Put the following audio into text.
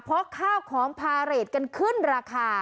เพราะข้าวของพาเรทกันขึ้นราคา